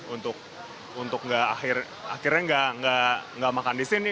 untuk akhirnya nggak makan di sini